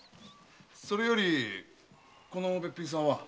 それよりこのベッピンさんは？